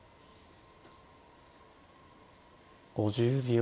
５０秒。